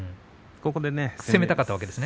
ここで攻めたかったですね。